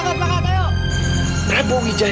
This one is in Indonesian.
dan bapak bapak dengan speaking russian